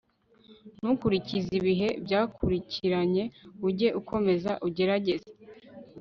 ntukurikize ibihe byakurikiranye, ujye ukomeza ugerageze